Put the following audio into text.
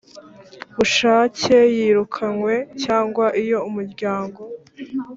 bushake yirukanywe cyangwa iyo umuryango